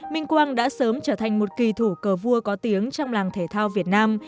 minh quang đã sớm trở thành một kỳ thủ cờ vua có tiếng trong làng thể thao việt nam